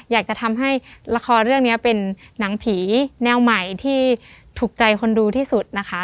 อยากจะทำให้ละครเรื่องนี้เป็นหนังผีแนวใหม่ที่ถูกใจคนดูที่สุดนะคะ